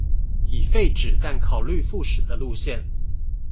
已廢止但考慮復駛的路線